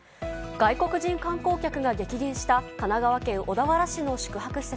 外国人観光客が激減した神奈川県小田原市の宿泊施設。